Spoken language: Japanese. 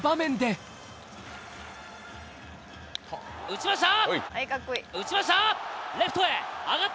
打ちました！